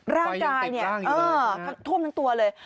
ร่างกายเนี่ยท่วมทั้งตัวเลย